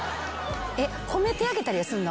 褒めてあげたりはすんの？